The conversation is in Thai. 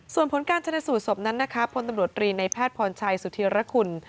ส่วนผลการชนะสูตรศพนั้นนะคะพลตำรวจรีในแพทย์พรชัยสุธีรคุณ